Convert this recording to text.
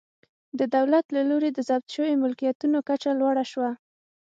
د دولت له لوري د ضبط شویو ملکیتونو کچه لوړه شوه.